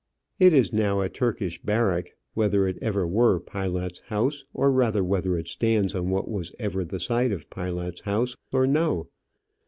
It is now a Turkish barrack; whether it ever were Pilate's house, or, rather, whether it stands on what was ever the site of Pilate's house or no.